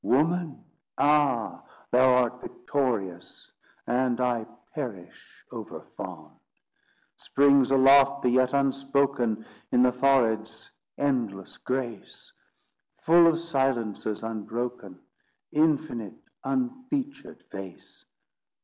Woman, ah! thou art victorious, And I perish, overfond. Springs aloft the yet Unspoken In the forehead's endless grace, Full of silences unbroken; Infinite, unfeatured face.